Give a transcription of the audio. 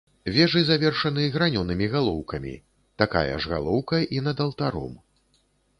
Вежы завершаны гранёнымі галоўкамі, такая ж галоўка і над алтаром.